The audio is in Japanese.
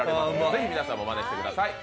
ぜひ皆さんもマネしてください。